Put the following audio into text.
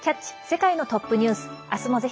世界のトップニュース」。